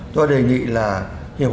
tôi đề nghị là hiệu quả